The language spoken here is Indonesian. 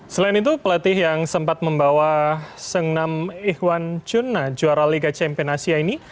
selain itu pelatih yang sempat membawa sengam ikhwan cunna juara liga champion asia ini